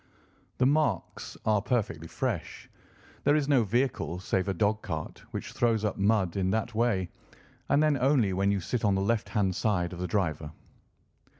The marks are perfectly fresh. There is no vehicle save a dog cart which throws up mud in that way, and then only when you sit on the left hand side of the driver."